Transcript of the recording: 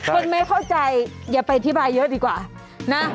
คนไม่เข้าใจอย่าไปอธิบายเยอะดีกว่านะ